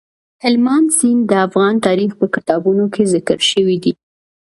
هلمند سیند د افغان تاریخ په کتابونو کې ذکر شوی دي.